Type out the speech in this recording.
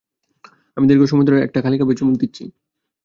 আমি দীর্ঘ সময় ধরে একটা খালি কাপে চুমুক দিচ্ছি।